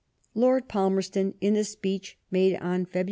Lord Palmerston, in a speech made on Feb.